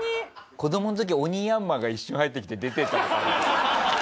子供の時オニヤンマが一瞬入ってきて出ていった。